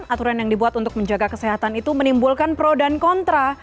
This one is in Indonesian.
aturan yang dibuat untuk menjaga kesehatan itu menimbulkan pro dan kontra